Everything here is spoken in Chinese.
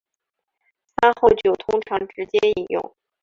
餐后酒通常直接饮用。